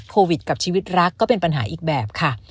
กับชีวิตรักก็เป็นปัญหาอีกแบบค่ะ